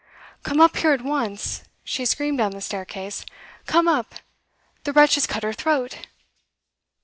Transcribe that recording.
'Come up here at once!' she screamed down the staircase. 'Come up! The wretch has cut her throat!